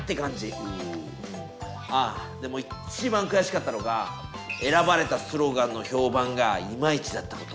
ああでも一番くやしかったのが選ばれたスローガンの評判がイマイチだったこと。